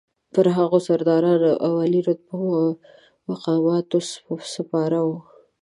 پر هغو سرداران او عالي رتبه مقامات سپاره وو.